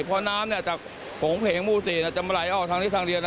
เพราะน้ำจากโผงเพลงมูศีจะมาไหลออกทางที่ทางเดียน